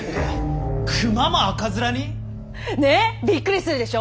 熊も赤面に！？ねえびっくりするでしょ。